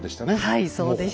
はいそうでした。